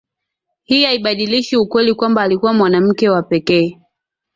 hii haibadilishi ukweli kwamba alikuwa mwanamke wa pekee